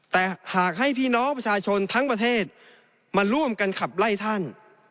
แต่หากให้พี่น้องประชาชนทั้งประเทศมาร่วมกันขับไล่ท่าน